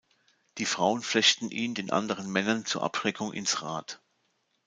Die Frauen flechten ihn den anderen Männern zur Abschreckung ins Rad.